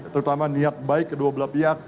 terutama niat baik kedua belah pihak